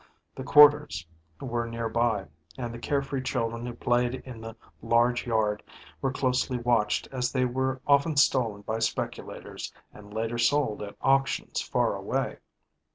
The "quarters" were nearby and the care free children who played in the large yard were closely watched as they were often stolen by speculators and later sold at auctions far away.